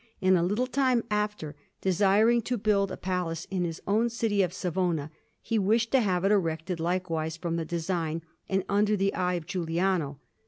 And a little time after, desiring to build a palace in his own city of Savona, he wished to have it erected likewise from the design and under the eye of Giuliano.